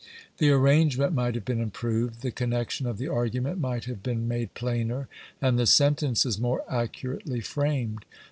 The arrangement might have been improved; the connexion of the argument might have been made plainer, and the sentences more accurately framed.